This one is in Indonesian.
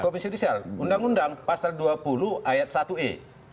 komisi judisial undang undang pasal dua puluh ayat satu e